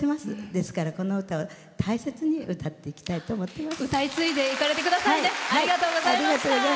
ですから、この歌を大切に歌っていきたいと思います。